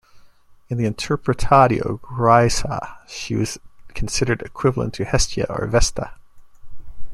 In the "interpretatio graeca", she was considered equivalent to Hestia or Vesta.